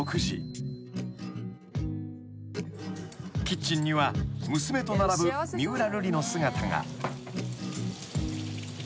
［キッチンには娘と並ぶ三浦瑠麗の姿が］